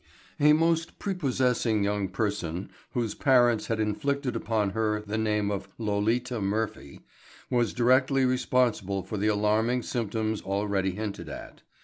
A most prepossessing young person whose parents had inflicted upon her the name of Lolita Murphy was directly responsible for the alarming symptoms already hinted at.